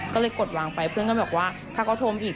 ก็เลยกดวางไปเพื่อนก็บอกว่าถ้าเขาโทรมาอีก